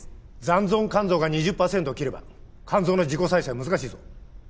残存肝臓が２０パーセントを切れば肝臓の自己再生は難しいぞ。